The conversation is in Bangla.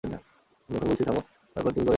আমি যখন বলছি থাম তারপর তুমি করে যাচ্ছ।